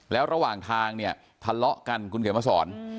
แล้วระหว่างทางเนี่ยทะเลาะกันคุณเขียนมาสอน